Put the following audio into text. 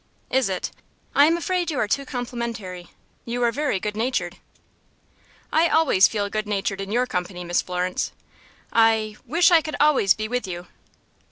"Is it? I am afraid you are too complimentary. You are very good natured." "I always feel good natured in your company, Miss Florence. I wish I could always be with you."